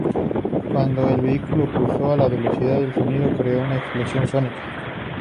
Cuando el vehículo cruzó la velocidad del sonido, creó una explosión sónica.